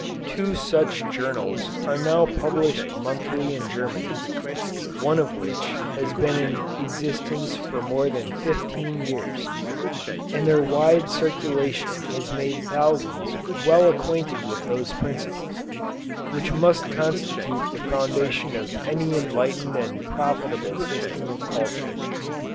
Two such journals are now published monthly in Germany, one of which has been in existence for more than 15 years and their wide circulation has made thousands well acquainted with those principles, which must constitute the foundation of any enlightened and profitable system of culture.